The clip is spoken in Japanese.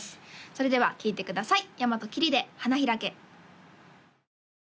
それでは聴いてください